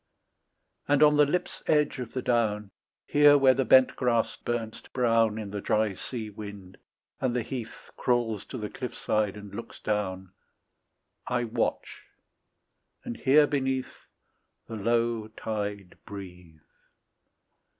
And on the lip's edge of the down, Here where the bent grass burns to brown In the dry sea wind, and the heath Crawls to the cliff side and looks down, I watch, and hear beneath The low tide breathe.